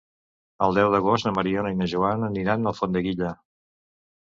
El deu d'agost na Mariona i na Joana aniran a Alfondeguilla.